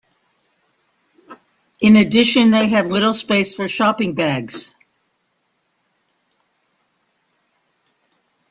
In addition, they have little space for shopping bags.